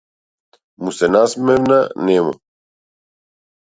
Му се насмевна нему.